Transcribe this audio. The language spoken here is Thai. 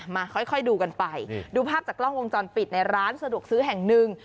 มาค่อยดูกันไปดูภาพจากกล้องวงจรปิดในร้านสะดวกซื้อแห่งหนึ่ง